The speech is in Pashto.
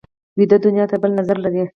ویده دنیا ته بل نظر لري